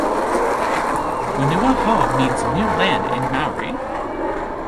Whenua Hou means "new land" in Maori.